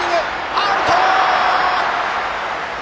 アウト！